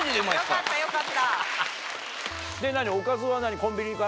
よかったよかった。